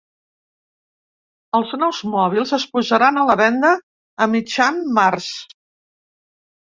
Els nous mòbils es posaran a la venda a mitjan març.